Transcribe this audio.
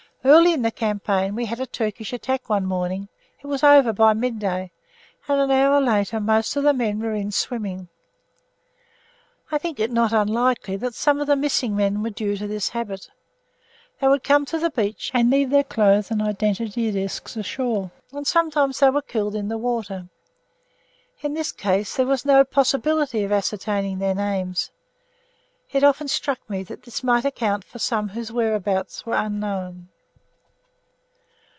Early in the campaign we had a Turkish attack one morning; it was over by midday, and an hour later most of the men were in swimming. I think it not unlikely that some of the "missing" men were due to this habit. They would come to the beach and leave their clothes and identity discs ashore, and sometimes they were killed in the water. In this case there was no possibility of ascertaining their names. It often struck me that this might account for some whose whereabouts were unknown.